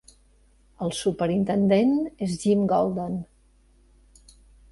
El superintendent és Jim Golden.